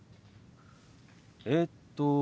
えっと。